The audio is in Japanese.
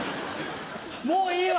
もういいわ！